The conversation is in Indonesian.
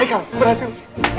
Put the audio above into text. ayo kamu berhasil